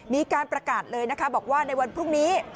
มีการประกาศเลยนะคะบอกว่าในวันพรุ่งนี้